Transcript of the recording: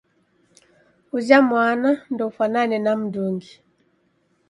Uja mwana ndoufwanane na m'ndungi.